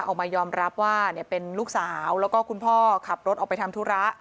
ออกมายอมรับว่าเป็นลูกสาวแล้วก็คุณพ่อขับรถออกไปทำธุระ